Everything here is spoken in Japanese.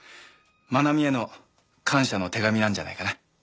真奈美への感謝の手紙なんじゃないかな。